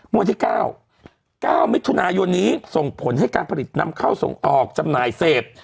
วันที่๙๙มิถุนายนนี้ส่งผลให้การผลิตนำเข้าส่งออกจำหน่ายเสพ